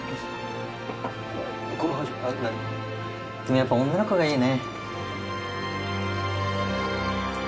やっぱ女の子がいいね。